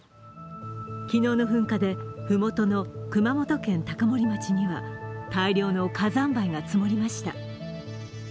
昨日の噴火でふもとの熊本県高森町には大量の火山灰が積もりました。